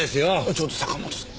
ちょっと坂本さん。